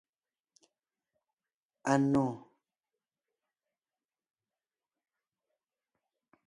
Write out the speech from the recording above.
Anò.